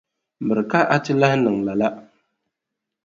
Miri ka a ti lahi niŋ lala.